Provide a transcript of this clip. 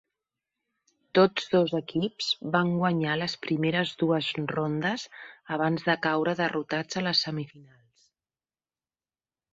Tots dos equips van guanyar les primeres dues rondes abans de caure derrotats a les semifinals.